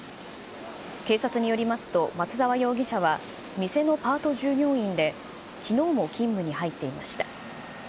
警察によりますと、松沢容疑者は店のパート従業員で、きのうも勤務に入っていました。